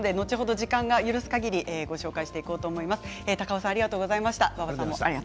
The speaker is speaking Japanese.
時間が許すかぎりご紹介していきます。